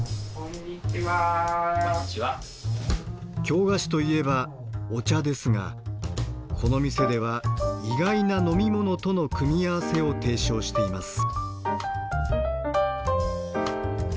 京菓子といえばお茶ですがこの店では意外な飲み物との組み合わせを提唱しています。